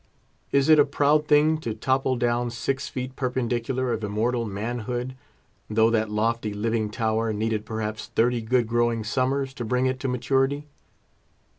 Is it a proud thing to topple down six feet perpendicular of immortal manhood, though that lofty living tower needed perhaps thirty good growing summers to bring it to maturity?